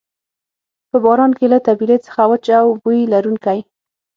په باران کې له طبیلې څخه وچ او بوی لرونکی.